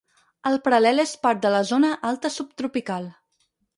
El paral·lel és part de la zona alta subtropical.